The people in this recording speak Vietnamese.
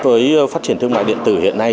với phát triển thương mại điện tử hiện nay